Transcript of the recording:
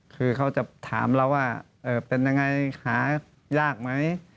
คือเขาจะถามเราว่าเป็นยังไงหายากไหม